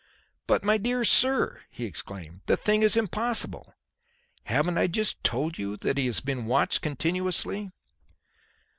"But my dear sir!" he exclaimed, "the thing is impossible! Haven't I just told you that he has been watched continuously?"